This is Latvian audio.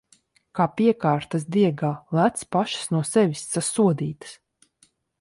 Kā piekārtas diegā... Lec pašas no sevis! Sasodītas!